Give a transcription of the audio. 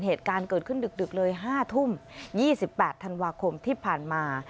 เหตุการณ์เกิดขึ้นดึกเลย๕ทุ่ม๒๘ธันวาคมที่ผ่านมา